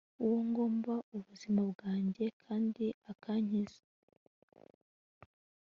uwo ngomba ubuzima bwanjye kandi akankiza